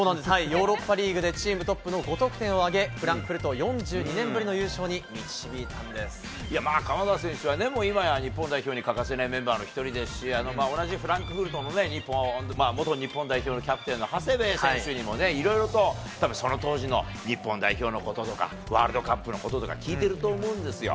ヨーロッパリーグで、チームトップの５得点を挙げ、フランクフルト４１年ぶりまあ、鎌田選手はね、今や、日本代表に欠かせないメンバーの一人ですし、同じフランクフルトの日本、元日本代表のキャプテンの長谷部選手にもね、いろいろと、その当時の日本代表のこととか、ワールドカップのこととか、聞いてると思うんですよ。